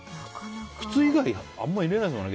靴以外あんま入れないですもんね